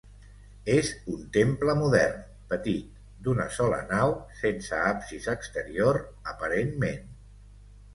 És un temple modern, petit, d'una sola nau, sense absis exterior aparentment.